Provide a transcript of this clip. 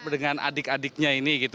dengan adik adiknya ini gitu